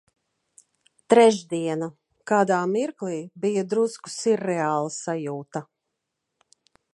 Trešdiena. Kādā mirklī bija drusku sirreāla sajūta.